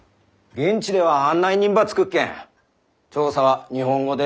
現地では案内人ば付くっけん調査は日本語で進めてくんさい。